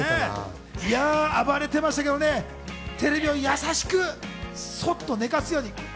暴れてましたけど、テレビをやさしく、そっと寝かすように。